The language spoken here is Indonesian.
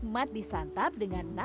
nikmat disantap dengan nasi hangat